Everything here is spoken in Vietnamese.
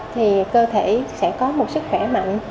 thì cơ thể sẽ có một sức khỏe mạnh